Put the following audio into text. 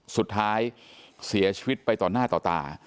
สุดท้ายเสียชีวิตไปต่อหน้าต่อตา